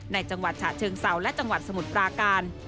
จังหวัดฉะเชิงเสาและจังหวัดสมุทรปราการ